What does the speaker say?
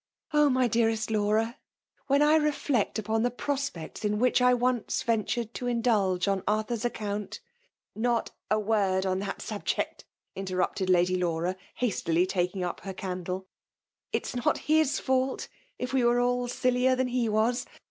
"Oh! my dearest Laura! When I reflect upon the prospects in which I once ventiiied to indulge on Arthur s account "" Not a wcnrd on that subject," interrupted I^y Laura, hastily taking up her candle. '* It 88 FEMALB DOMINATIOK. is not his faulty if we were all sillier than he was